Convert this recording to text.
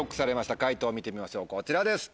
解答見てみましょうこちらです。